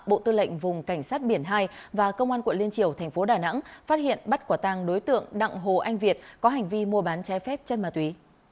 bộ tư lệnh vùng cảnh sát biển hai và công an quận liên triều tp đà nẵng phát hiện bắt quả tang đối tượng đặng hồ anh việt có hành vi mua bán trái phép chân ma túy